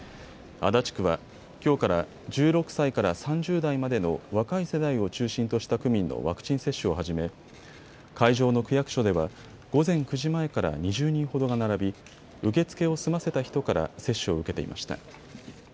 足立区はきょうから１６歳から３０代までの若い世代を中心とした区民のワクチン接種を始め会場の区役所では午前９時前から２０人ほどが並び受け付けを済ませた人から接種を受けていました。